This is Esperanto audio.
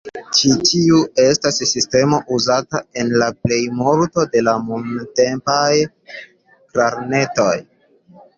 Ĉi tiu estas la sistemo uzata en la plejmulto da nuntempaj klarnetoj.